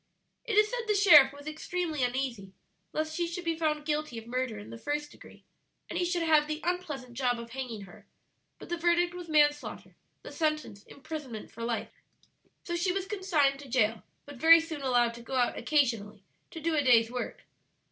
"It is said the sheriff was extremely uneasy lest she should be found guilty of murder in the first degree, and he should have the unpleasant job of hanging her; but the verdict was manslaughter, the sentence imprisonment for life. "So she was consigned to jail, but very soon allowed to go out occasionally to do a day's work."